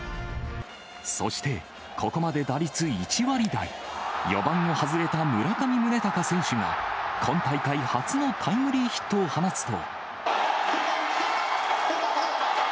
そして、ここまで打率１割台、４番を外れた村上宗隆選手が今大会初のタイムリーヒットを放つと。